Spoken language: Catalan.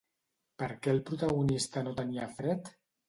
Per què el protagonista no tenia fred?